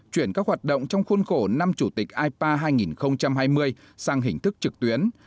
chuyển các hoạt động trong khuôn khổ năm chủ tịch ipa hai nghìn hai mươi sang hình thức trực tuyến